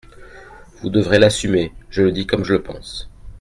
Vous devrez l’assumer ! Je le dis comme je le pense.